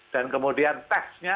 dan kemudian testnya